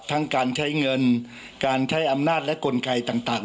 ทั้งการใช้เงินการใช้อำนาจและกลไกต่าง